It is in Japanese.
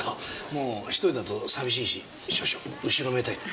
もう１人だと寂しいし少々後ろめたい。